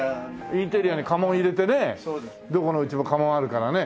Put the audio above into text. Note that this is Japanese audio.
インテリアに家紋入れてねどこの家も家紋あるからね。